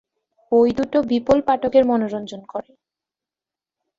বই দুটো বিপুল পাঠকের মনোরঞ্জন করে।